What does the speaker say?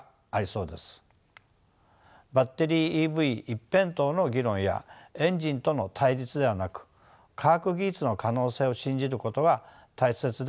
バッテリーＥＶ一辺倒の議論やエンジンとの対立ではなく科学技術の可能性を信じることが大切ではないでしょうか。